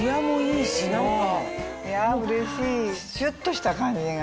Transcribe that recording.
いやうれしいシュっとした感じが。